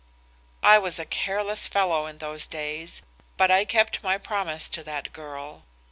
"I was a careless fellow in those days but I kept my promise to that girl.